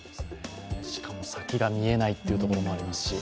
しかも先が見えないところもありますし。